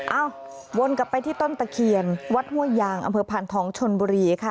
วนกลับไปที่ต้นตะเคียนวัดห้วยยางอำเภอพานทองชนบุรีค่ะ